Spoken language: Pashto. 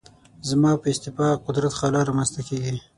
زما په استعفا قدرت خلا رامنځته کېږي.